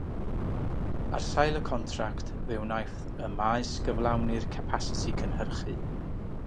Ar sail y contract, fe wnaiff y maes gyflawni'r capasiti cynhyrchu.